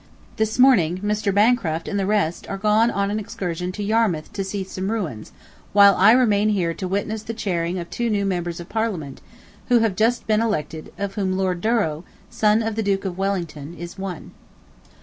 ... This morning Mr. Bancroft and the rest are gone on an excursion to Yarmouth to see some ruins, while I remain here to witness the chairing of two new members of Parliament, who have just been elected, of whom Lord Douro, son of the Duke of Wellington, is one.